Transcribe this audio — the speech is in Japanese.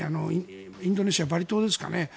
インドネシア・バリ島ですかね。